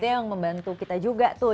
itu yang membantu kita juga tuh